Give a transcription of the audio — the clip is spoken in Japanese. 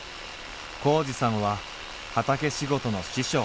紘二さんは畑仕事の師匠。